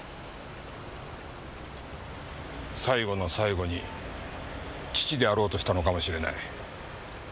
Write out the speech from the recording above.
最後の最後に父であろうとしたのかもしれない。